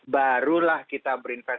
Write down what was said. barulah kita berinvestasi